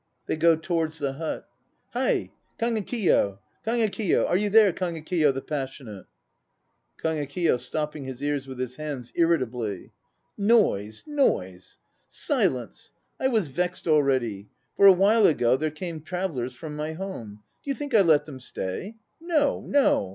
(They go towards the hut.) Hie, Kagekiyo, Kagekiyo! Are you there, Kagekiyo the Passionate? KAGEKIYO (stopping his ears with his hands, irritably). Noise, noise! Silence! I was vexed already. For a while ago there came travellers from my home! Do you think I let them stay? No, no.